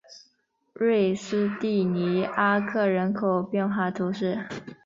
瑞斯蒂尼阿克人口变化图示